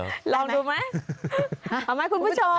ลองดูไหมเอาไหมคุณผู้ชม